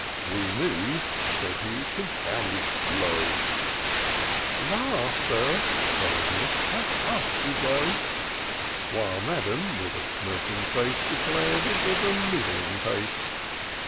" We move," said he, " confounded slow :"" La, Sir," cried Miss, " how fast we go I" While madam, with a smirking face. Declared it was a middling pace.